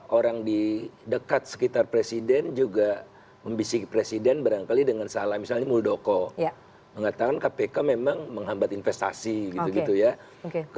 dan juga orang di dekat sekitar presiden juga membisik presiden barangkali dengan salah misalnya muldoko mengatakan kpk memang menghambat investasi gitu gitu ya oke oke